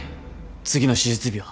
次の手術日は？